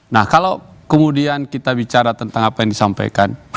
nah kalau kemudian kita bicara tentang apa yang disampaikan